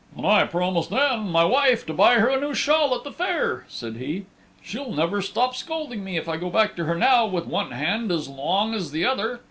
"And I had promised Ann, my wife, to buy her a new shawl at the fair," said he. "She'll never stop scolding me if I go back to her now with one hand as long as the other.